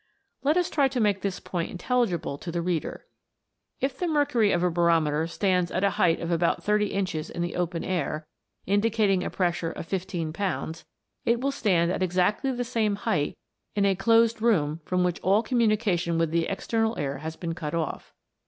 Let us try to make this point intelligible to the reader. If the mercury of a barometer stands at a height of about thirty inches in the open air, indicating a pressure of fifteen poxmds, it will stand at exactly * Professor Miller. \ 166 WATER BEWITCHED. the same height in a close room from which all communication with the external air has been cut off.